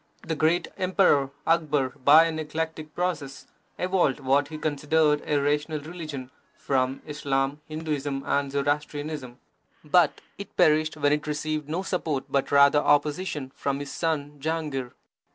The great Emperor Akbar, by an eclectic process, evolved what he considered a rational religion from Islam, Hindusim, and Zoroastrianism, but it perished when it received no support but rather opposition from his son Jahangir.